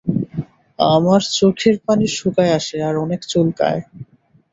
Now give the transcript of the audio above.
আমার চোখের পানি শুকায় আসে আর অনেক চুলকায়।